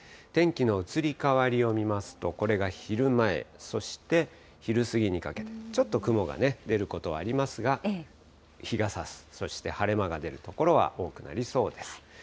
天気の移り変わりを見ますと、これが昼前、そして昼過ぎにかけて、ちょっと雲がね、出ることはありますが、日がさす、そして晴れ間が出る所は多くなりそうです。